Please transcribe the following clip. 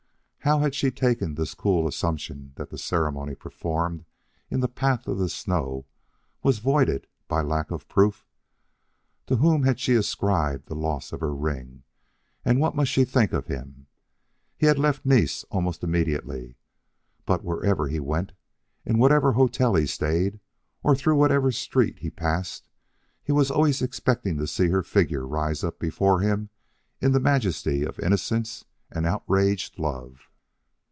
How had she taken this cool assumption that the ceremony performed in the path of the snow was voided by lack of proof? To whom had she ascribed the loss of her ring, and what must she think of him? He had left Nice almost immediately, but wherever he went, in whatever hotel he stayed, or through whatever street he passed, he was always expecting to see her figure rise up before him in the majesty of innocence and outraged love.